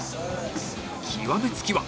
極め付きは